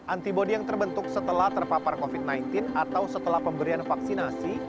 antibody yang terbentuk setelah terpapar covid sembilan belas atau setelah pemberian vaksinasi